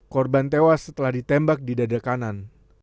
korban tewas setelah ditembak di dada kanan